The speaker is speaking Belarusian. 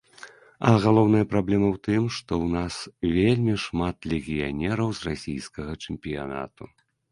А галоўная праблема ў тым, што ў нас вельмі шмат легіянераў з расійскага чэмпіянату.